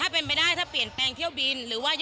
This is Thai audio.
เล่าพี่ฟังหน่อยว่า